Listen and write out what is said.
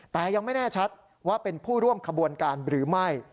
แต่ยังไม่แน่ชัดว่าเป็นผู้ร่วมขบวนการหรือไม่